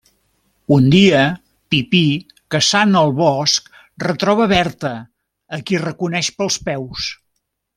Un dia, Pipí caçant al bosc retroba Berta, a qui reconeix pels peus.